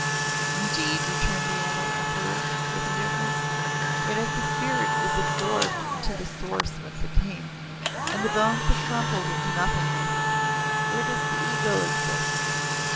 "Indeed?" returned the Yellow Emperor with indifference "yet if the spirit is absorbed into the Source whence it came, and the bones have crumbled into nothingness, where does the Ego exist?